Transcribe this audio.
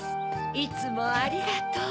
いつもありがとう。